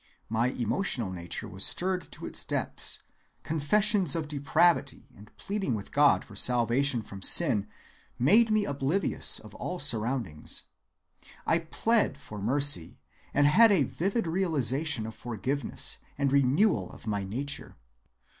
My emotional nature was stirred to its depths; confessions of depravity and pleading with God for salvation from sin made me oblivious of all surroundings. I plead for mercy, and had a vivid realization of forgiveness and renewal of my nature.